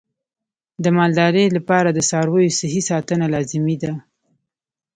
د مالدارۍ لپاره د څارویو صحي ساتنه لازمي ده.